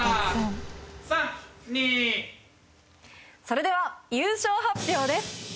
それでは優勝発表です！